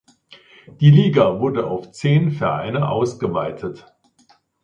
Die Liga wurde auf zehn Vereine ausgeweitet.